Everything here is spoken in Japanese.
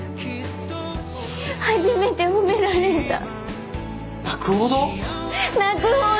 初めて褒められた。